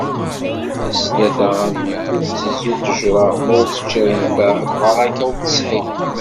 Tis tlata a mmi! Ur tteẓẓu ṭejra ma ur teččiḍ nfeɛ, lbaraka ur t-tesɛi.